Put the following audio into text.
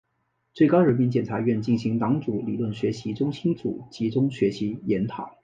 最高人民检察院举行党组理论学习中心组集体学习研讨